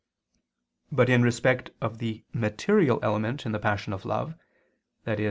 But in respect of the material element in the passion of love, i.e.